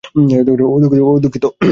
ওহ, দুঃখিত।